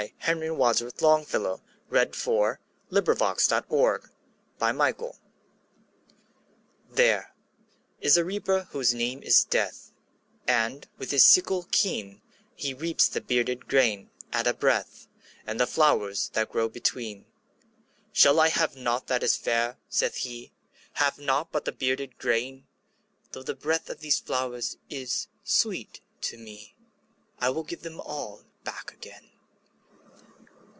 Henry Wadsworth Longfellow The Reaper And The Flowers THERE is a Reaper whose name is Death, And, with his sickle keen, He reaps the bearded grain at a breath, And the flowers that grow between. ``Shall I have nought that is fair?'' saith he; ``Have nought but the bearded grain? Though the breath of these flowers is sweet to me, I will give them all back again.''